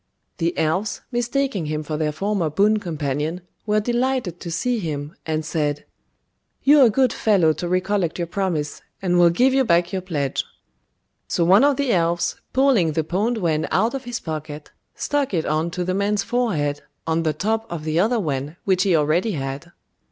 The elves, mistaking him for their former boon companion, were delighted to see him, and said "You're a good fellow to recollect your promise, and we'll give you back your pledge;" so one of the elves, pulling the pawned wen out of his pocket, stuck it on to the man's forehead, on the top of the other wen which he already bad.